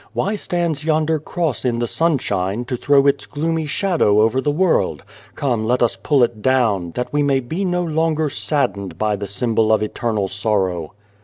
Why stands yonder Cross 185 The Child, the Wise Man in the sunshine, to throw its gloomy shadow over the world? Come let us pull it down, that we may be no longer saddened by the symbol of eternal sorrow."